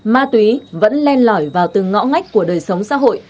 ma túy vẫn len lỏi vào từng ngõ ngách của đời sống xã hội